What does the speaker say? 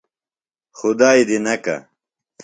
خدائیۡ دی نکہ۔